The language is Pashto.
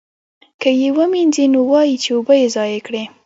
که یې ومینځي نو وایي یې چې اوبه دې ضایع کړې.